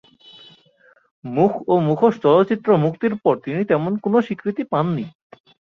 মুখ ও মুখোশ চলচ্চিত্র মুক্তির পর তিনি তেমন কোন স্বীকৃতি পাননি।